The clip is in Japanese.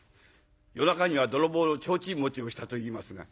夜中には泥棒の提灯持ちをしたといいますが。